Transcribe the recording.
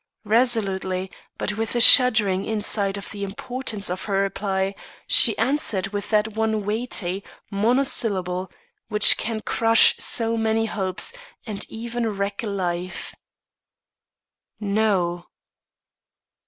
Resolutely, but with a shuddering insight of the importance of her reply, she answered with that one weighty monosyllable which can crush so many hopes, and even wreck a life: "No."